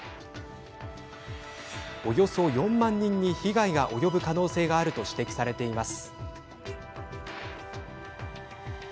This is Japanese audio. およそ４万人に被害が及ぶ可能性があると指摘されています。